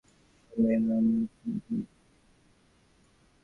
সব মেয়েরা আমার চুমুর জন্য পাগল।